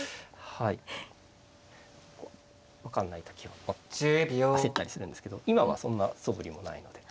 分かんない時は焦ったりするんですけど今はそんなそぶりもないので。